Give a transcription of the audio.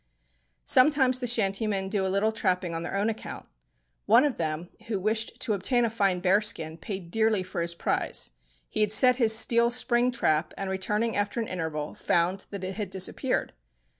Sometimes the shantymen do a little trapping on their own account. One of them, who wished to obtain a fine bear skin, paid dearly for his prize. He had set his steel spring trap, and returning after an interval, found that it had disappeared.